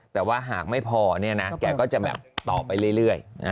แต่ว่าหากไม่พอก็จะต่อไปเรื่อย